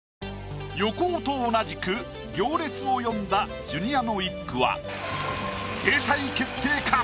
横尾と同じく行列を詠んだジュニアの一句は掲載決定か？